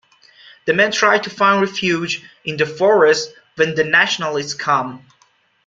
The men try to find refuge in the forest when the Nationalists come.